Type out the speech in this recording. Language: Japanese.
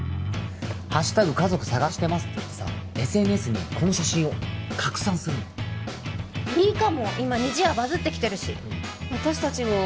家族探してますっていってさＳＮＳにこの写真を拡散するのいいかも今にじやバズってきてるし私達も＃